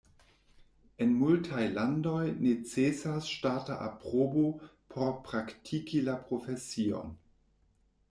En multaj landoj necesas ŝtata aprobo por praktiki la profesion.